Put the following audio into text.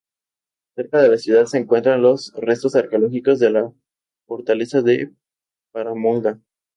Cerca de la ciudad se encuentran los restos arqueológicos de la Fortaleza de Paramonga.